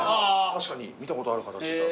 確かに見たことある形だ。